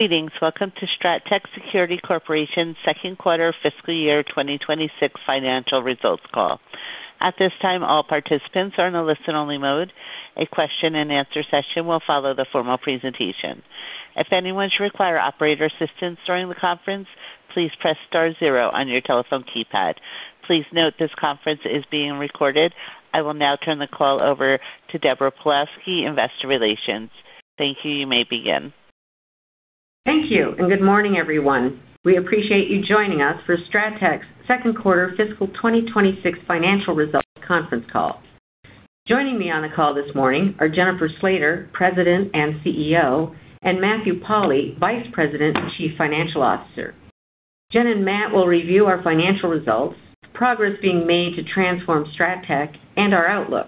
Greetings. Welcome to STRATTEC Security Corporation second quarter fiscal year 2026 financial results call. At this time, all participants are in a listen-only mode. A question-and-answer session will follow the formal presentation. If anyone should require operator assistance during the conference, please press star 0 on your telephone keypad. Please note this conference is being recorded. I will now turn the call over to Deborah Pawlowski, Investor Relations. Thank you. You may begin. Thank you, and good morning, everyone. We appreciate you joining us for STRATTEC's second quarter fiscal 2026 financial results conference call. Joining me on the call this morning are Jennifer Slater, President and CEO, and Matthew Pauli, Vice President and Chief Financial Officer. Jen and Matt will review our financial results, progress being made to transform STRATTEC, and our outlook.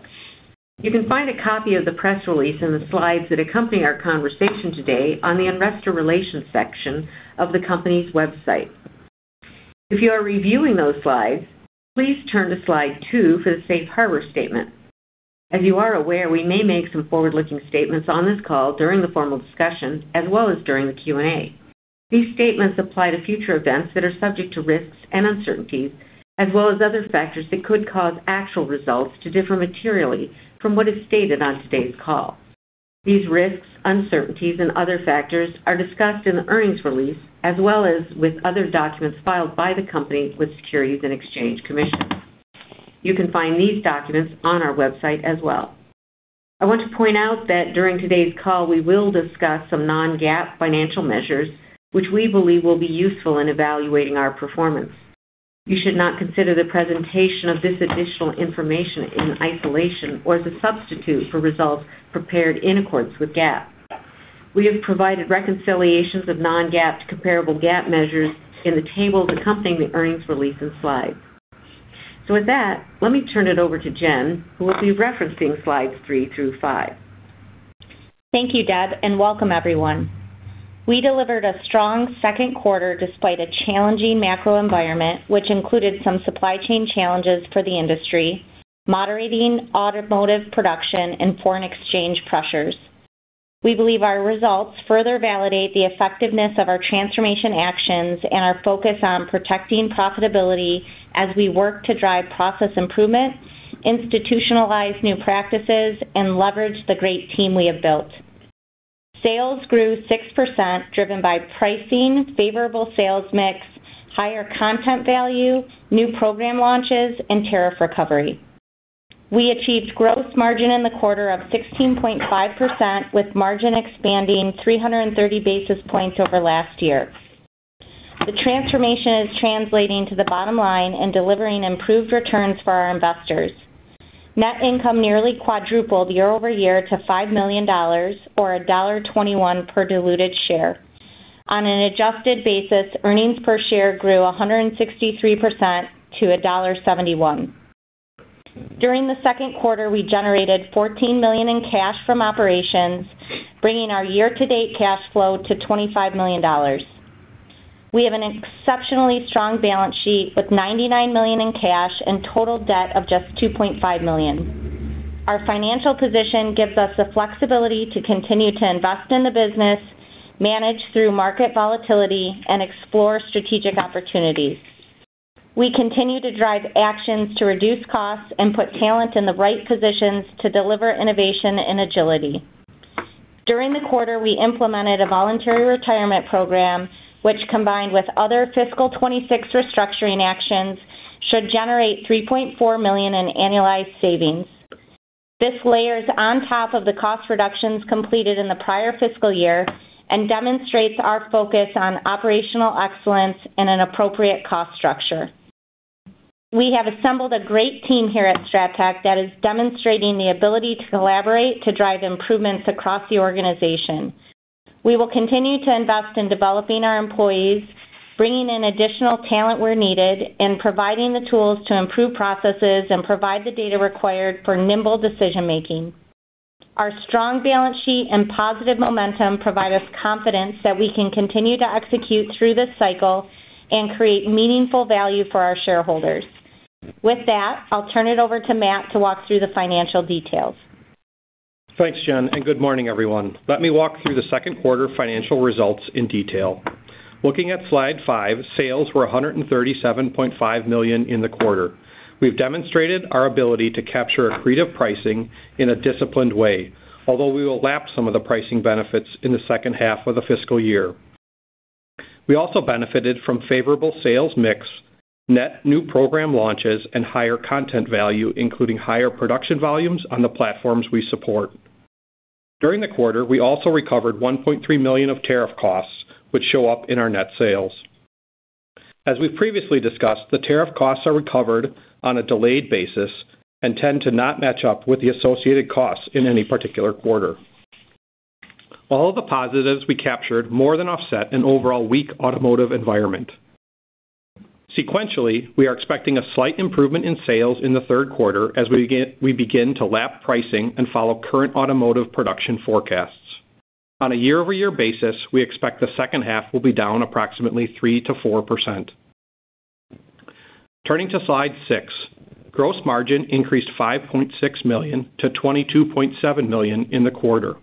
You can find a copy of the press release and the slides that accompany our conversation today on the Investor Relations section of the company's website. If you are reviewing those slides, please turn to slide 2 for the safe harbor statement. As you are aware, we may make some forward-looking statements on this call during the formal discussion as well as during the Q&A. These statements apply to future events that are subject to risks and uncertainties, as well as other factors that could cause actual results to differ materially from what is stated on today's call. These risks, uncertainties, and other factors are discussed in the earnings release as well as with other documents filed by the company with Securities and Exchange Commission. You can find these documents on our website as well. I want to point out that during today's call, we will discuss some non-GAAP financial measures, which we believe will be useful in evaluating our performance. You should not consider the presentation of this additional information in isolation or as a substitute for results prepared in accordance with GAAP. We have provided reconciliations of non-GAAP to comparable GAAP measures in the tables accompanying the earnings release and slides. With that, let me turn it over to Jen, who will be referencing slides 3 through 5. Thank you, Deb, and welcome, everyone. We delivered a strong second quarter despite a challenging macro environment, which included some supply chain challenges for the industry, moderating automotive production, and foreign exchange pressures. We believe our results further validate the effectiveness of our transformation actions and our focus on protecting profitability as we work to drive process improvement, institutionalize new practices, and leverage the great team we have built. Sales grew 6% driven by pricing, favorable sales mix, higher content value, new program launches, and tariff recovery. We achieved gross margin in the quarter of 16.5%, with margin expanding 330 basis points over last year. The transformation is translating to the bottom line and delivering improved returns for our investors. Net income nearly quadrupled year-over-year to $5 million, or $1.21 per diluted share. On an adjusted basis, earnings per share grew 163% to $1.71. During the second quarter, we generated $14 million in cash from operations, bringing our year-to-date cash flow to $25 million. We have an exceptionally strong balance sheet with $99 million in cash and total debt of just $2.5 million. Our financial position gives us the flexibility to continue to invest in the business, manage through market volatility, and explore strategic opportunities. We continue to drive actions to reduce costs and put talent in the right positions to deliver innovation and agility. During the quarter, we implemented a voluntary retirement program, which, combined with other fiscal 2026 restructuring actions, should generate $3.4 million in annualized savings. This layers on top of the cost reductions completed in the prior fiscal year and demonstrates our focus on operational excellence and an appropriate cost structure. We have assembled a great team here at Strattec that is demonstrating the ability to collaborate to drive improvements across the organization. We will continue to invest in developing our employees, bringing in additional talent where needed, and providing the tools to improve processes and provide the data required for nimble decision-making. Our strong balance sheet and positive momentum provide us confidence that we can continue to execute through this cycle and create meaningful value for our shareholders. With that, I'll turn it over to Matt to walk through the financial details. Thanks, Jen, and good morning, everyone. Let me walk through the second quarter financial results in detail. Looking at slide 5, sales were $137.5 million in the quarter. We've demonstrated our ability to capture accretive pricing in a disciplined way, although we will lapse some of the pricing benefits in the second half of the fiscal year. We also benefited from favorable sales mix, net new program launches, and higher content value, including higher production volumes on the platforms we support. During the quarter, we also recovered $1.3 million of tariff costs, which show up in our net sales. As we've previously discussed, the tariff costs are recovered on a delayed basis and tend to not match up with the associated costs in any particular quarter. All of the positives we captured more than offset an overall weak automotive environment. Sequentially, we are expecting a slight improvement in sales in the third quarter as we begin to lapse pricing and follow current automotive production forecasts. On a year-over-year basis, we expect the second half will be down approximately 3%-4%. Turning to slide 6, gross margin increased $5.6 million to $22.7 million in the quarter.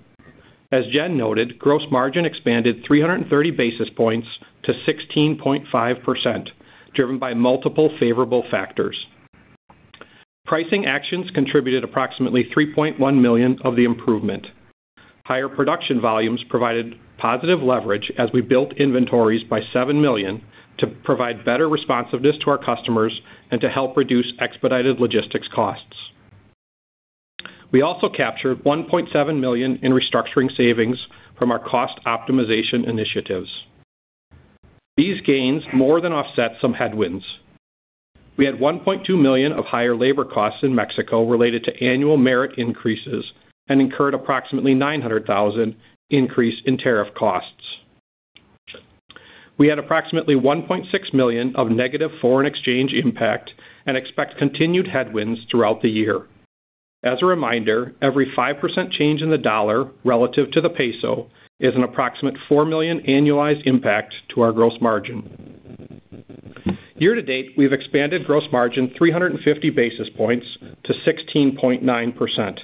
As Jen noted, gross margin expanded 330 basis points to 16.5%, driven by multiple favorable factors. Pricing actions contributed approximately $3.1 million of the improvement. Higher production volumes provided positive leverage as we built inventories by $7 million to provide better responsiveness to our customers and to help reduce expedited logistics costs. We also captured $1.7 million in restructuring savings from our cost optimization initiatives. These gains more than offset some headwinds. We had $1.2 million of higher labor costs in Mexico related to annual merit increases and incurred approximately $900,000 increase in tariff costs. We had approximately $1.6 million of negative foreign exchange impact and expect continued headwinds throughout the year. As a reminder, every 5% change in the dollar relative to the peso is an approximate $4 million annualized impact to our gross margin. Year to date, we've expanded gross margin 350 basis points to 16.9%.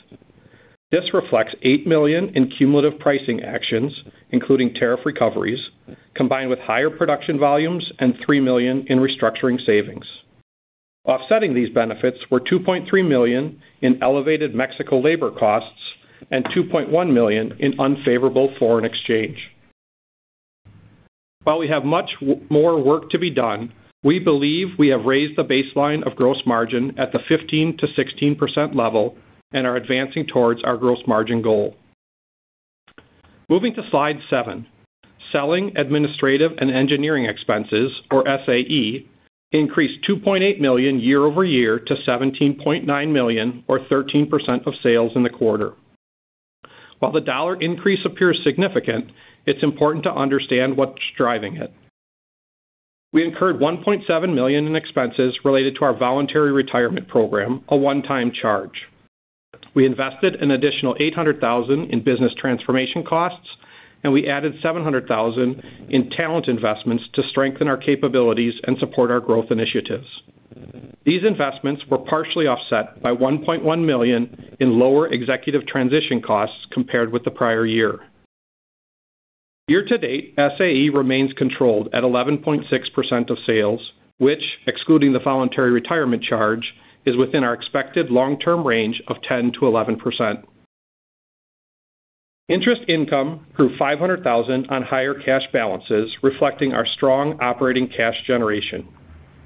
This reflects $8 million in cumulative pricing actions, including tariff recoveries, combined with higher production volumes and $3 million in restructuring savings. Offsetting these benefits were $2.3 million in elevated Mexico labor costs and $2.1 million in unfavorable foreign exchange. While we have much more work to be done, we believe we have raised the baseline of gross margin at the 15%-16% level and are advancing towards our gross margin goal. Moving to slide 7, Selling, Administrative, and Engineering expenses, or SAE, increased $2.8 million year-over-year to $17.9 million, or 13% of sales in the quarter. While the dollar increase appears significant, it's important to understand what's driving it. We incurred $1.7 million in expenses related to our voluntary retirement program, a one-time charge. We invested an additional $800,000 in business transformation costs, and we added $700,000 in talent investments to strengthen our capabilities and support our growth initiatives. These investments were partially offset by $1.1 million in lower executive transition costs compared with the prior year. Year-to-date, SAE remains controlled at 11.6% of sales, which, excluding the voluntary retirement charge, is within our expected long-term range of 10%-11%. Interest income grew $500,000 on higher cash balances, reflecting our strong operating cash generation.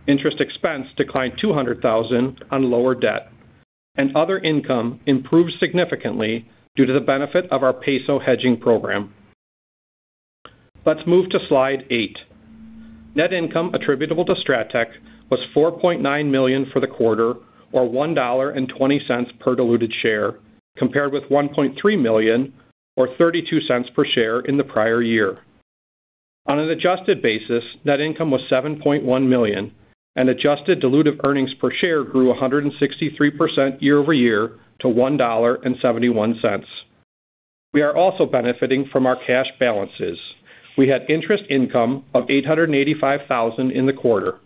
Interest expense declined $200,000 on lower debt. Other income improved significantly due to the benefit of our peso hedging program. Let's move to slide 8. Net income attributable to Strattec was $4.9 million for the quarter, or $1.20 per diluted share, compared with $1.3 million, or $0.32 per share in the prior year. On an adjusted basis, net income was $7.1 million, and adjusted diluted earnings per share grew 163% year-over-year to $1.71. We are also benefiting from our cash balances. We had interest income of $885,000 in the quarter.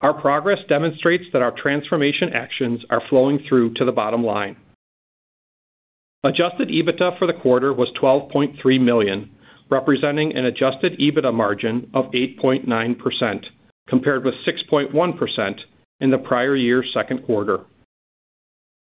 Our progress demonstrates that our transformation actions are flowing through to the bottom line. Adjusted EBITDA for the quarter was $12.3 million, representing an adjusted EBITDA margin of 8.9%, compared with 6.1% in the prior year's second quarter.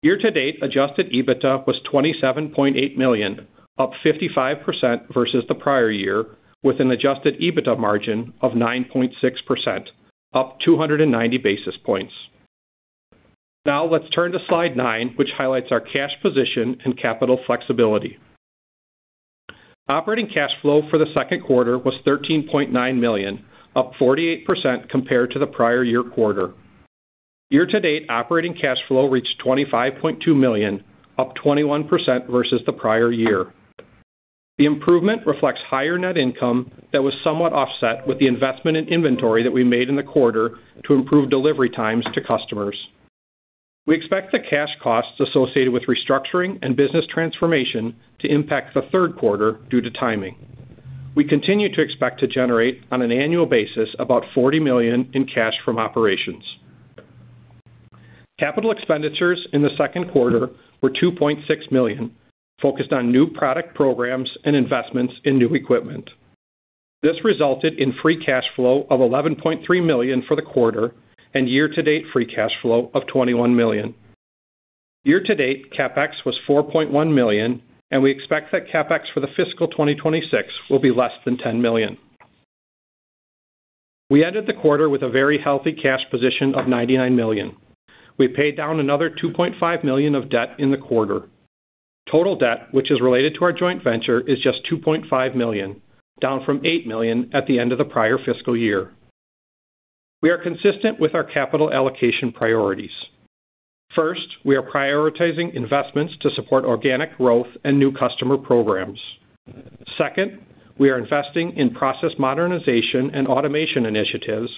Year to date, adjusted EBITDA was $27.8 million, up 55% versus the prior year, with an adjusted EBITDA margin of 9.6%, up 290 basis points. Now let's turn to slide 9, which highlights our cash position and capital flexibility. Operating cash flow for the second quarter was $13.9 million, up 48% compared to the prior year quarter. Year to date, operating cash flow reached $25.2 million, up 21% versus the prior year. The improvement reflects higher net income that was somewhat offset with the investment in inventory that we made in the quarter to improve delivery times to customers. We expect the cash costs associated with restructuring and business transformation to impact the third quarter due to timing. We continue to expect to generate, on an annual basis, about $40 million in cash from operations. Capital expenditures in the second quarter were $2.6 million, focused on new product programs and investments in new equipment. This resulted in free cash flow of $11.3 million for the quarter and year-to-date free cash flow of $21 million. Year to date, CapEx was $4.1 million, and we expect that CapEx for the fiscal 2026 will be less than $10 million. We ended the quarter with a very healthy cash position of $99 million. We paid down another $2.5 million of debt in the quarter. Total debt, which is related to our joint venture, is just $2.5 million, down from $8 million at the end of the prior fiscal year. We are consistent with our capital allocation priorities. First, we are prioritizing investments to support organic growth and new customer programs. Second, we are investing in process modernization and automation initiatives,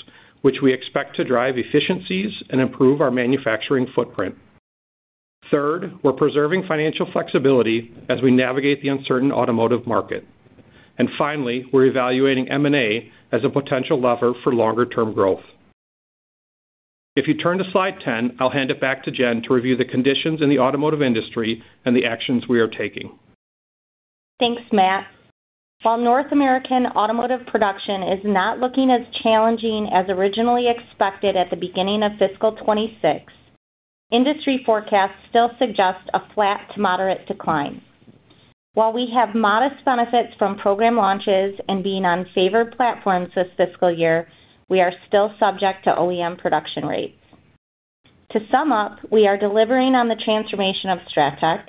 which we expect to drive efficiencies and improve our manufacturing footprint. Third, we're preserving financial flexibility as we navigate the uncertain automotive market. And finally, we're evaluating M&A as a potential lever for longer-term growth. If you turn to slide 10, I'll hand it back to Jen to review the conditions in the automotive industry and the actions we are taking. Thanks, Matt. While North American automotive production is not looking as challenging as originally expected at the beginning of fiscal 2026, industry forecasts still suggest a flat to moderate decline. While we have modest benefits from program launches and being on favored platforms this fiscal year, we are still subject to OEM production rates. To sum up, we are delivering on the transformation of STRATTEC.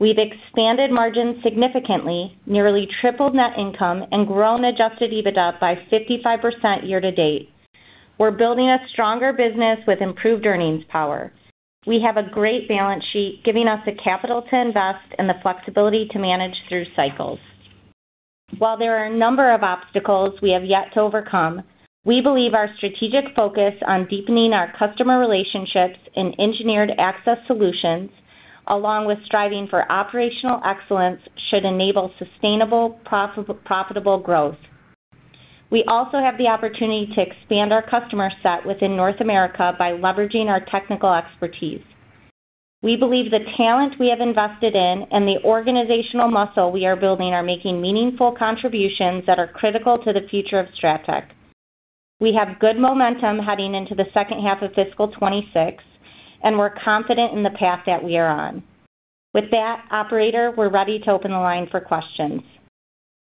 We've expanded margins significantly, nearly tripled net income, and grown Adjusted EBITDA by 55% year to date. We're building a stronger business with improved earnings power. We have a great balance sheet, giving us the capital to invest and the flexibility to manage through cycles. While there are a number of obstacles we have yet to overcome, we believe our strategic focus on deepening our customer relationships in engineered access solutions, along with striving for operational excellence, should enable sustainable, profitable growth. We also have the opportunity to expand our customer set within North America by leveraging our technical expertise. We believe the talent we have invested in and the organizational muscle we are building are making meaningful contributions that are critical to the future of STRATTEC. We have good momentum heading into the second half of fiscal 2026, and we're confident in the path that we are on. With that, operator, we're ready to open the line for questions.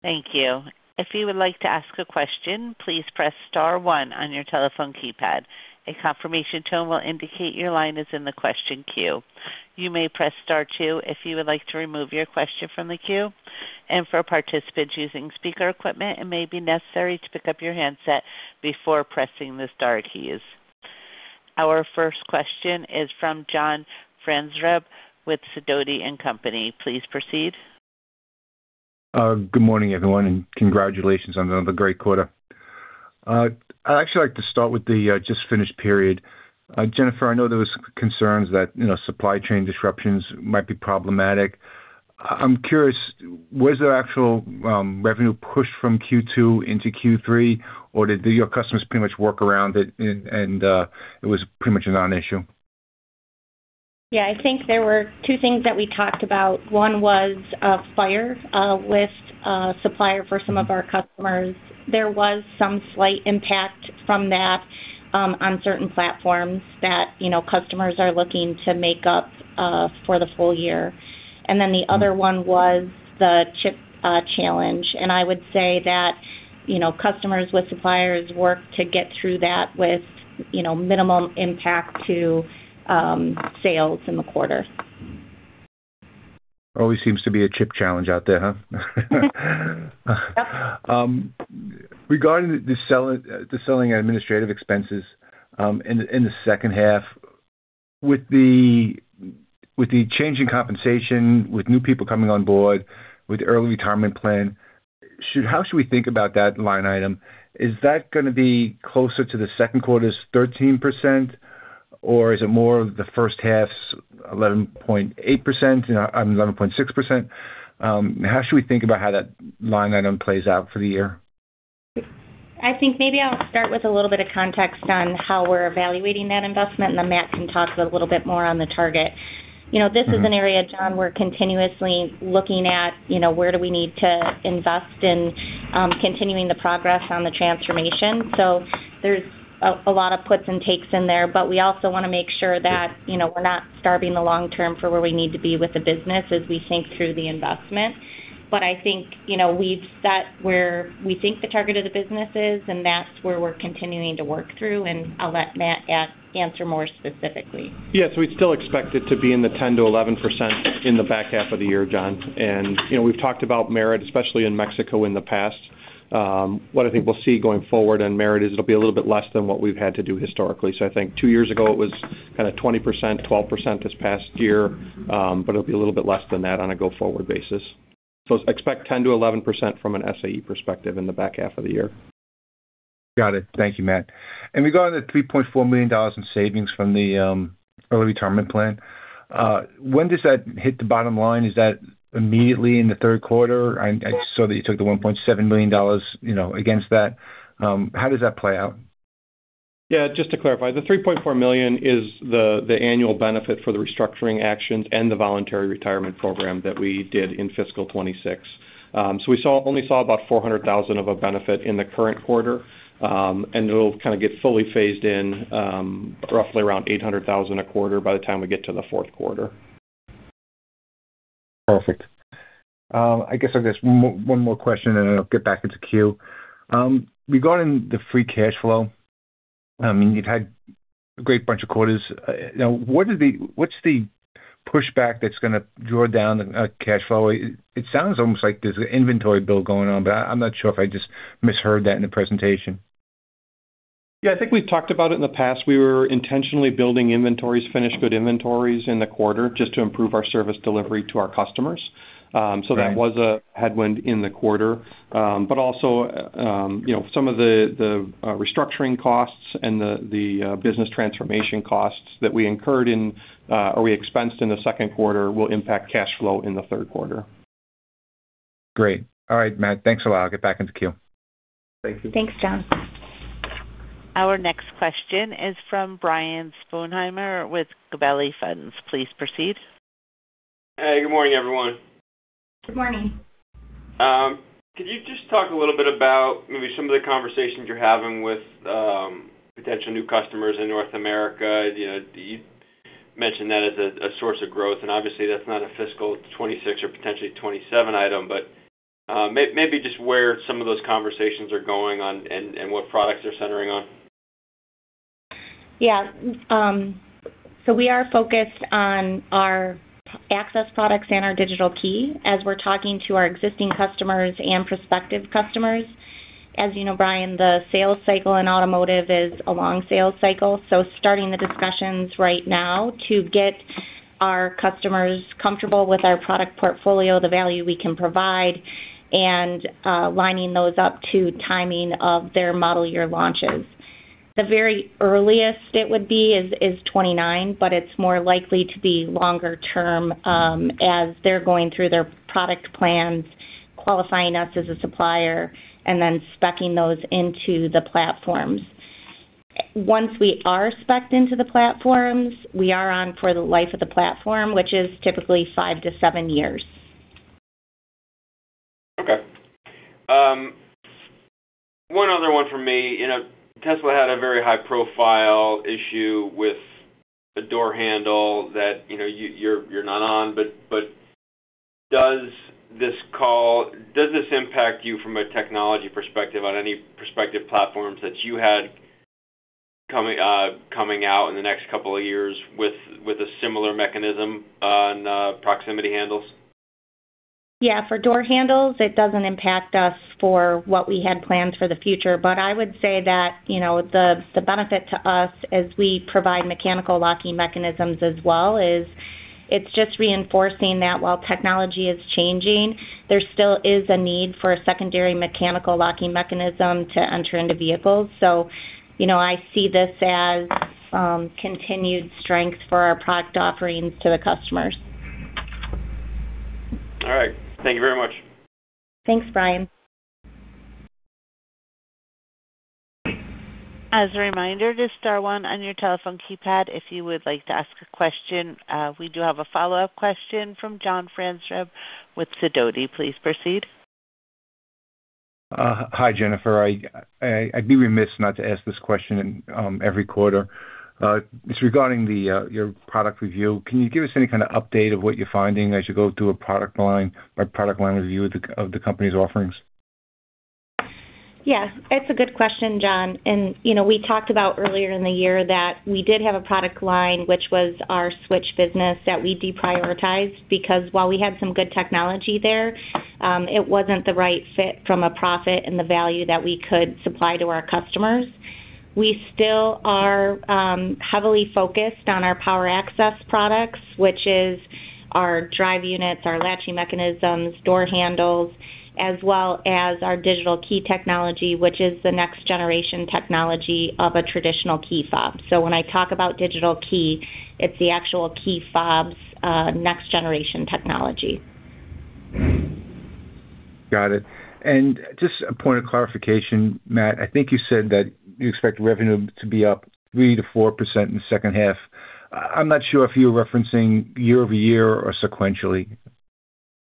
Thank you. If you would like to ask a question, please press star 1 on your telephone keypad. A confirmation tone will indicate your line is in the question queue. You may press star 2 if you would like to remove your question from the queue. For participants using speaker equipment, it may be necessary to pick up your handset before pressing the star keys. Our first question is from John Franzreb with Sidoti & Company. Please proceed. Good morning, everyone, and congratulations on another great quarter. I'd actually like to start with the just finished period. Jennifer, I know there were concerns that supply chain disruptions might be problematic. I'm curious, was there actual revenue push from Q2 into Q3, or did your customers pretty much work around it and it was pretty much a non-issue? Yeah, I think there were two things that we talked about. One was a fire with a supplier for some of our customers. There was some slight impact from that on certain platforms that customers are looking to make up for the full year. And then the other one was the chip challenge. And I would say that customers with suppliers work to get through that with minimum impact to sales in the quarter. Always seems to be a chip challenge out there, huh? Yep. Regarding the selling and administrative expenses in the second half, with the changing compensation, with new people coming on board, with the early retirement plan, how should we think about that line item? Is that going to be closer to the second quarter's 13%, or is it more of the first half's 11.8%? I mean, 11.6%. How should we think about how that line item plays out for the year? I think maybe I'll start with a little bit of context on how we're evaluating that investment, and then Matt can talk a little bit more on the target. This is an area, John, we're continuously looking at where do we need to invest in continuing the progress on the transformation. So there's a lot of puts and takes in there, but we also want to make sure that we're not starving the long term for where we need to be with the business as we think through the investment. But I think we've set where we think the target of the business is, and that's where we're continuing to work through. And I'll let Matt answer more specifically. Yeah, so we'd still expect it to be in the 10%-11% in the back half of the year, John. And we've talked about merit, especially in Mexico in the past. What I think we'll see going forward on merit is it'll be a little bit less than what we've had to do historically. So I think two years ago, it was kind of 20%, 12% this past year, but it'll be a little bit less than that on a go-forward basis. So expect 10%-11% from an SAE perspective in the back half of the year. Got it. Thank you, Matt. Regarding the $3.4 million in savings from the early retirement plan, when does that hit the bottom line? Is that immediately in the third quarter? I saw that you took the $1.7 million against that. How does that play out? Yeah, just to clarify, the $3.4 million is the annual benefit for the restructuring actions and the voluntary retirement program that we did in fiscal 2026. So we only saw about $400,000 of a benefit in the current quarter, and it'll kind of get fully phased in roughly around $800,000 a quarter by the time we get to the fourth quarter. Perfect. I guess I've got one more question, and then I'll get back into queue. Regarding the free cash flow, I mean, you've had a great bunch of quarters. Now, what's the pushback that's going to draw down the cash flow? It sounds almost like there's an inventory bill going on, but I'm not sure if I just misheard that in the presentation. Yeah, I think we've talked about it in the past. We were intentionally building inventories, finished good inventories in the quarter just to improve our service delivery to our customers. So that was a headwind in the quarter. But also, some of the restructuring costs and the business transformation costs that we incurred in or we expensed in the second quarter will impact cash flow in the third quarter. Great. All right, Matt. Thanks a lot. I'll get back into queue. Thank you. Thanks, John. Our next question is from Brian Sponheimer with Gabelli Funds. Please proceed. Hey, good morning, everyone. Good morning. Could you just talk a little bit about maybe some of the conversations you're having with potential new customers in North America? You mentioned that as a source of growth, and obviously, that's not a fiscal 2026 or potentially 2027 item, but maybe just where some of those conversations are going on and what products they're centering on. Yeah. So we are focused on our access products and our digital key as we're talking to our existing customers and prospective customers. As you know, Brian, the sales cycle in automotive is a long sales cycle. So starting the discussions right now to get our customers comfortable with our product portfolio, the value we can provide, and lining those up to timing of their model year launches. The very earliest it would be is 2029, but it's more likely to be longer term as they're going through their product plans, qualifying us as a supplier, and then speccing those into the platforms. Once we are specced into the platforms, we are on for the life of the platform, which is typically five to seven years. Okay. One other one from me. Tesla had a very high-profile issue with a door handle that you're not on, but does this impact you from a technology perspective on any prospective platforms that you had coming out in the next couple of years with a similar mechanism on proximity handles? Yeah, for door handles, it doesn't impact us for what we had plans for the future. But I would say that the benefit to us as we provide mechanical locking mechanisms as well is it's just reinforcing that while technology is changing, there still is a need for a secondary mechanical locking mechanism to enter into vehicles. So I see this as continued strength for our product offerings to the customers. All right. Thank you very much. Thanks, Brian. As a reminder, just star 1 on your telephone keypad if you would like to ask a question. We do have a follow-up question from John Franzreb with Sidoti. Please proceed. Hi, Jennifer. I'd be remiss not to ask this question every quarter. It's regarding your product review. Can you give us any kind of update of what you're finding as you go through a product line review of the company's offerings? Yeah, it's a good question, John. We talked about earlier in the year that we did have a product line, which was our switch business, that we deprioritized because while we had some good technology there, it wasn't the right fit from a profit and the value that we could supply to our customers. We still are heavily focused on our power access products, which is our drive units, our latching mechanisms, door handles, as well as our digital key technology, which is the next-generation technology of a traditional key fob. So when I talk about digital key, it's the actual key fob's next-generation technology. Got it. Just a point of clarification, Matt, I think you said that you expect revenue to be up 3%-4% in the second half. I'm not sure if you were referencing year-over-year or sequentially.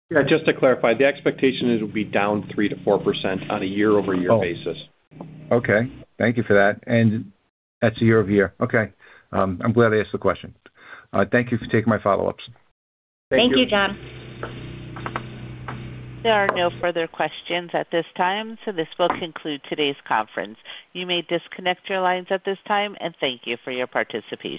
Yeah, just to clarify, the expectation is it'll be down 3%-4% on a year-over-year basis. Oh, okay. Thank you for that. That's a year-over-year. Okay. I'm glad I asked the question. Thank you for taking my follow-ups. Thank you. Thank you, John. There are no further questions at this time, so this will conclude today's conference. You may disconnect your lines at this time, and thank you for your participation.